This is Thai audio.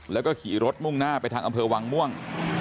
แล้วก็ขี่รถมุ่งหน้าไปทางอำเภอวังม่วง